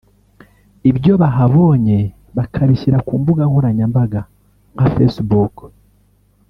ibyo bahabonye bakabishyira ku mbuga nkoranyambaga nka Facebook